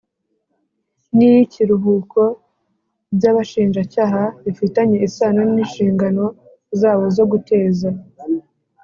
n iy ikiruhuko by abashinjacyaha bifitanye isano n ishingano zawo zo guteza